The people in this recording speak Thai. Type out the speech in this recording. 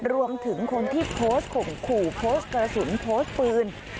รวมถึงคนที่โพสต์ข่มขู่โพสต์กระสุนโพสต์ปืน